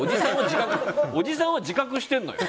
おじさんは自覚してるのよ。